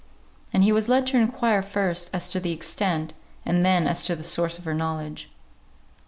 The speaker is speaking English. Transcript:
And he was led to inquire first as to the extent, and then as to the source of her knowledge.